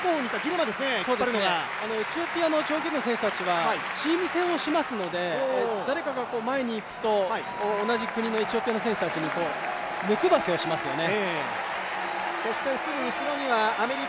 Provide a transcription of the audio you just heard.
エチオピアの長距離の選手たちはチーム戦をしますので誰かが前にいくと同じ国のエチオピアの選手たちに目配せをしますよね。